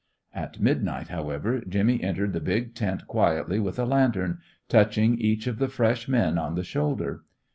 At midnight, however, Jimmy entered the big tent quietly with a lantern, touching each of the fresh men on the shoulder.